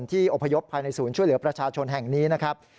อพยพภายในศูนย์ช่วยเหลือประชาชนแห่งนี้นะครับ